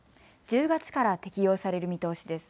１０月から適用される見通しです。